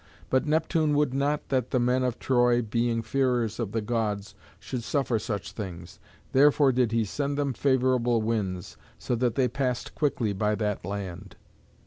But Neptune would not that the men of Troy, being fearers of the Gods, should suffer such things. Therefore did he send them favourable winds, so that they passed quickly by that land.